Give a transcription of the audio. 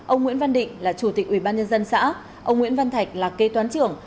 ông nguyễn văn định là chủ tịch ubnd xã ông nguyễn văn thạch là kê toán trưởng